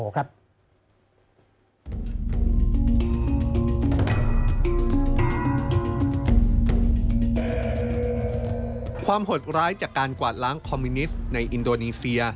หดร้ายจากการกวาดล้างคอมมิวนิสต์ในอินโดนีเซีย